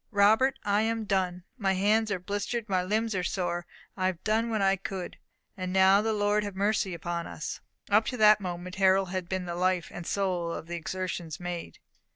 Robert, I am done! My hands are blistered! My limbs are sore! I have done what I could! And now the Lord have mercy upon us!" Up to that moment Harold had been the life and soul of the exertions made.